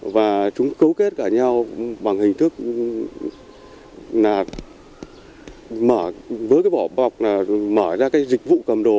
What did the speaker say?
và chúng cấu kết cả nhau bằng hình thức mở ra dịch vụ cầm đồ